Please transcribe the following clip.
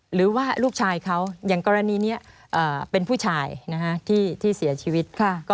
หรือว่าลูกชายเขาอย่างกรณีนี้เป็นผู้ชายที่เสียชีวิต